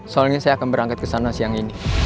soalnya saya akan berangkat ke sana siang ini